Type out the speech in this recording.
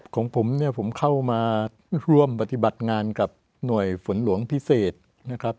ของผมเนี่ยผมเข้ามาร่วมปฏิบัติงานกับหน่วยฝนหลวงพิเศษนะครับ